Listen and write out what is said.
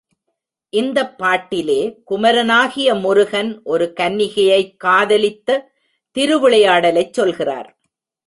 இந்தப் பாட்டிலே குமரனாகிய முருகன் ஒரு கன்னிகையைக் காதலித்த திருவிளையாடலைச் சொல்கிறார்.